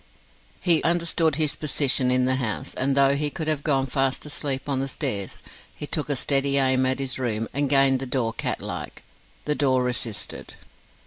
He understood his position in the house, and though he could have gone fast to sleep on the stairs, he took a steady aim at his room and gained the door cat like. The door resisted.